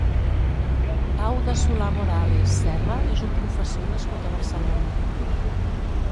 Pau de Solà-Morales Serra és un professor nascut a Barcelona.